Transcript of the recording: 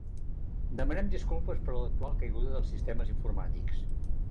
Demanem disculpes per l’actual caiguda dels sistemes informàtics.